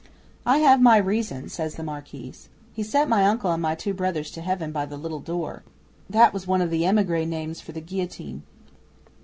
'"I have my reasons," says the Marquise. "He sent my uncle and my two brothers to Heaven by the little door," that was one of the emigre names for the guillotine.